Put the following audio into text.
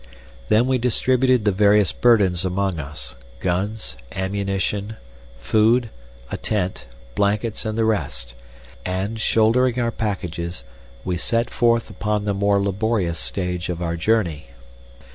Then we distributed the various burdens among us guns, ammunition, food, a tent, blankets, and the rest and, shouldering our packages, we set forth upon the more laborious stage of our journey.